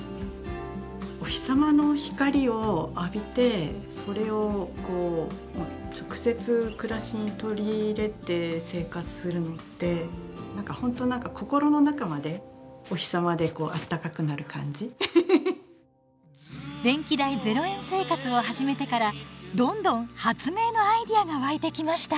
お日様の光を浴びてそれをこう直接暮らしに取り入れて生活するのって何かほんと何か電気代０円生活を始めてからどんどん発明のアイデアが湧いてきました！